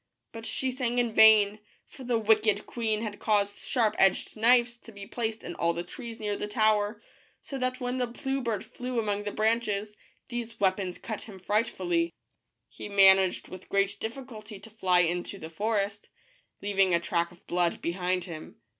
But she sang in vain, for the wicked queen had caused sharp edged knives to be placed in all the trees near the tower, so that when the blue bird flew among the branches, these weapons cut him fright 244 THE BLUE BIRD. fully. He managed with great difficulty to fly into the forest, leaving a track of blood behind him.